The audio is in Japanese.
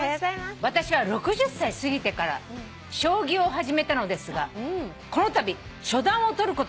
「私は６０歳すぎてから将棋を始めたのですがこのたび初段を取ることができました」